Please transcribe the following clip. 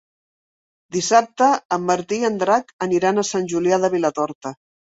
Dissabte en Martí i en Drac aniran a Sant Julià de Vilatorta.